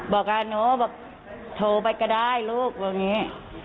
บอกกับหนูบอกโทรไปก็ได้ลูกบอกอย่างนี้